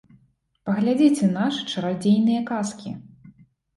Паглядзіце нашы чарадзейныя казкі.